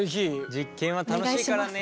実験は楽しいからね。